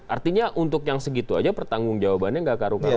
artinya untuk yang segitu aja pertanggung jawabannya nggak karu karu